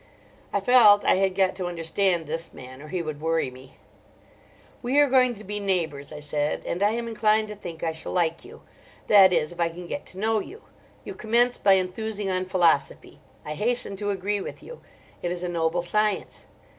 I felt I had got to understand this man, or he would worry me. "We are going to be neighbours," I said, "and I am inclined to think I shall like you. That is, if I can get to know you. You commence by enthusing on philosophy: I hasten to agree with you. It is a noble science.